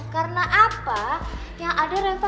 karena apa yang ada retail